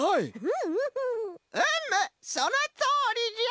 ・うむそのとおりじゃ！